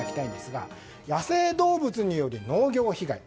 野生動物による農業被害。